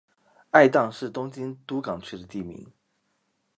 爱宕是东京都港区的地名。